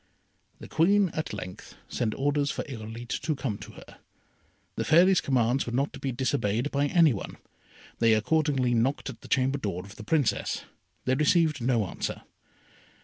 The Queen at length sent orders for Irolite to come to her. The Fairy's commands were not to be disobeyed by any one. They accordingly knocked at the chamber door of the Princess. They received no answer.